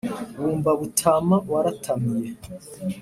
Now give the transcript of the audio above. bumba butama waratamiye